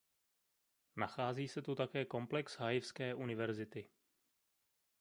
Nachází se tu také komplex Haifské univerzity.